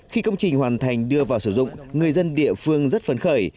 khi công trình hoàn thành đưa vào sử dụng người dân địa phương rất phấn khởi